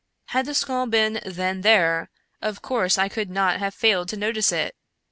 Had the skull been then there, of course I could not have failed to notice it.